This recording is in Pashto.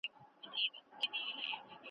او پر خپله تنه وچ سې خپلو پښو ته به رژېږې .